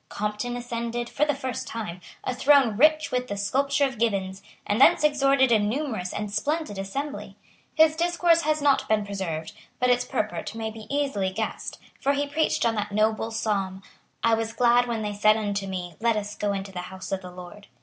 Compton ascended, for the first time, a throne rich with the sculpture of Gibbons, and thence exhorted a numerous and splendid assembly. His discourse has not been preserved; but its purport may be easily guessed; for he preached on that noble Psalm: "I was glad when they said unto me, Let us go into the house of the Lord."